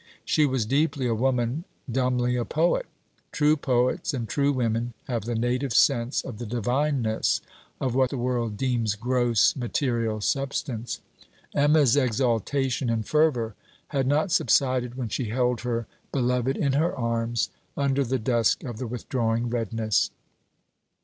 She was deeply a woman, dumbly a poet. True poets and true women have the native sense of the divineness of what the world deems gross material substance. Emma's exaltation in fervour had not subsided when she held her beloved in her arms under the dusk of the withdrawing redness.